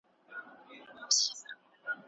نادر افشار ولې پر احمد شاه ابدالي باور کاوه؟